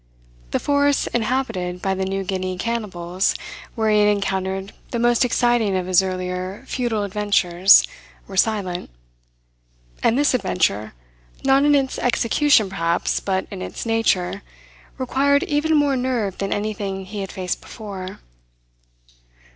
The forests inhabited by the New Guinea cannibals where he had encountered the most exciting of his earlier futile adventures were silent. And this adventure, not in its execution, perhaps, but in its nature, required even more nerve than anything he had faced before.